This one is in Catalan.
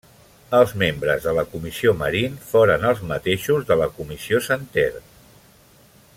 Els membres de la Comissió Marín foren els mateixos de la Comissió Santer.